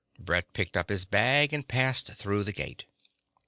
Brett picked up his bag and passed through the gate.